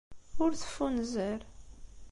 Ur teffunzer.